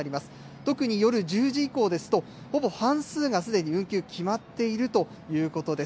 特に夜１０時以降ですとほぼ半数がすでに運休が決まっているということです。